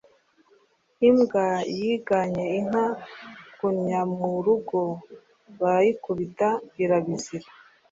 Imbwa yigannye inka kunnya mu rugo (barayikubita) irabizira.